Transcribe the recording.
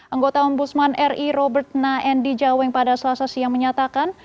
anggota om busman ri robert naen dijaweng pada selasa siang menyatakan